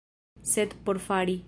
Sed por fari...